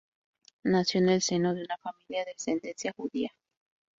Nació en el seno de una familia de ascendencia judía.